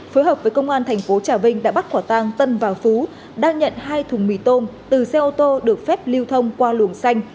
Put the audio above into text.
phối hợp với công an thành phố trà vinh đã bắt quả tang tân và phú đang nhận hai thùng mì tôm từ xe ô tô được phép lưu thông qua luồng xanh